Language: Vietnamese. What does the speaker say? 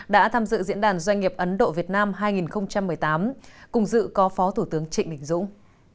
đã tham dự diễn đàn doanh nghiệp ấn độ việt nam hai nghìn một mươi tám cùng dự có phó thủ tướng trịnh đình dũng